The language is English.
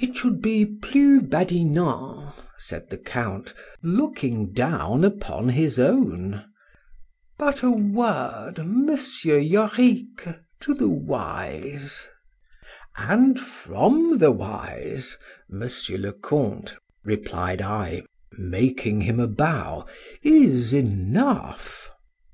—It should be plus badinant, said the Count, looking down upon his own;—but a word, Monsieur Yorick, to the wise— And from the wise, Monsieur le Count, replied I, making him a bow,—is enough.